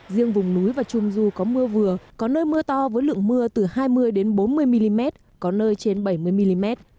riêng vùng núi và trung du có mưa vừa có nơi mưa to với lượng mưa từ hai mươi bốn mươi mm có nơi trên bảy mươi mm